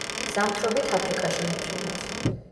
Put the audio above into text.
ზამთრობით აფრიკაში მიფრინავს.